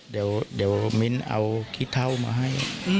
เดี๋ยวมิ้นเอาขี้เท่ามาให้